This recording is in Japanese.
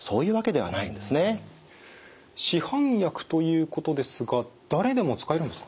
市販薬ということですが誰でも使えるんですか？